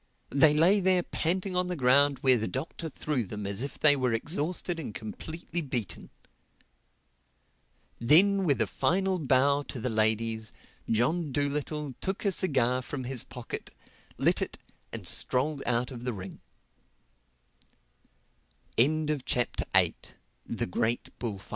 They lay there panting on the ground where the Doctor threw them as if they were exhausted and completely beaten. Then with a final bow to the ladies John Dolittle took a cigar from his pocket, lit it and strolled out of the